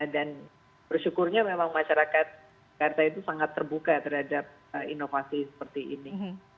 dan bersyukurnya memang masyarakat karta itu sangat terbuka terhadap inovasi seperti ini